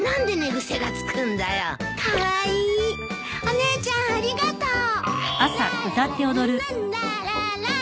お姉ちゃんありがとう。